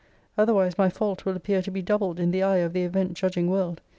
Otherwise, my fault will appear to be doubled in the eye of the event judging world.